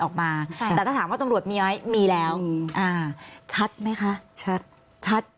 ออกมาใช่แต่ถ้าถามว่าตำรวจมีไหมมีแล้วมีอ่าชัดไหมคะชัดชัด